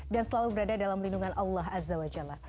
dan selalu berada dalam lindungan allah azza wa jalla